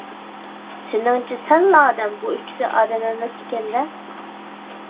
سېنىڭچە سەنلا ئادەم، بۇ ئىككىسى ئادەم ئەمەس ئىكەن - دە!